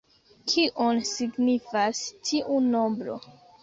Kion signifas tiu nombro?